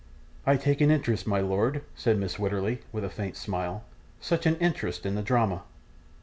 'I take an interest, my lord,' said Mrs. Wititterly, with a faint smile, 'such an interest in the drama.